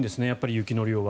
雪の量は。